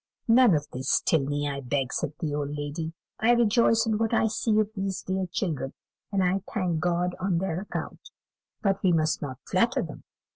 "None of this, Tilney, I beg," said the old lady; "I rejoice in what I see of these dear children, and I thank God on their account; but we must not flatter them.